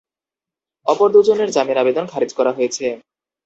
অপর দুজনের জামিন আবেদন খারিজ করা হয়েছে।